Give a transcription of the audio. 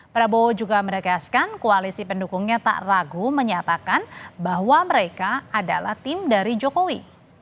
prabowo juga menegaskan koalisi pendukungnya tak ragu menyatakan bahwa mereka adalah tim dari jokowi